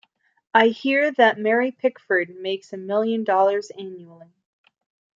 I hear that Mary Pickford makes a million dollars annually.